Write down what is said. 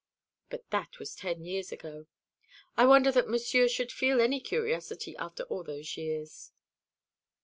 But that was ten years ago. I wonder that Monsieur should feel any curiosity after all those years."